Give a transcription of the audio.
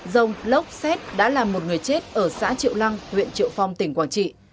dông lốc xét đã là một người chết ở xã triệu lăng huyện triệu phong tỉnh quảng trị